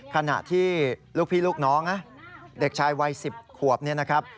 ขณะที่ลูกพี่ลูกน้องนะเด็กชายวัย๑๐ขวบเนี่ยนะครับ